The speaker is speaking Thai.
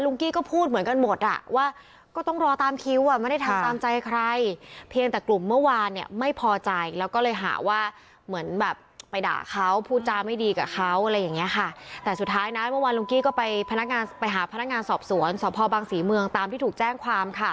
ลุ้งกี้ก็พูดเหมือนกันหมดอะ